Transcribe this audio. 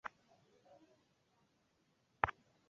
Dufite umurwa ukomeye cyane